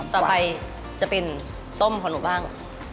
ต่อไปจะเป็นส้มของหนูบ้าง